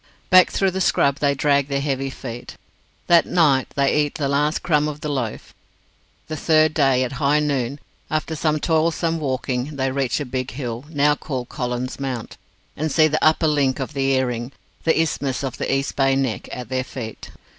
Back through the scrub they drag their heavy feet. That night they eat the last crumb of the loaf. The third day at high noon after some toilsome walking they reach a big hill, now called Collins' Mount, and see the upper link of the earring, the isthmus of East Bay Neck, at their feet.